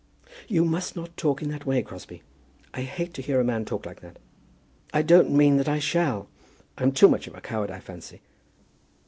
"You must not talk in that way, Crosbie. I hate to hear a man talk like that." "I don't mean that I shall. I'm too much of a coward, I fancy."